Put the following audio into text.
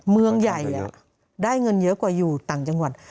เมืองใหญ่ได้เงินเยอะกว่าอยู่ต่างจังหวัด